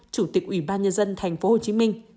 chủ tịch ủy ban nhân dân tp hcm